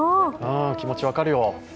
気持ち分かるよ。